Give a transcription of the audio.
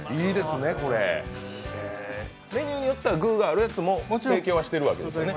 メニューによっては具があるやつももちろん提供しているわけですね。